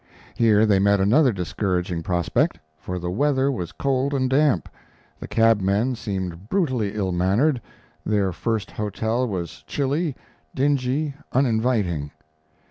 Here they met another discouraging prospect, for the weather was cold and damp, the cabmen seemed brutally ill mannered, their first hotel was chilly, dingy, uninviting.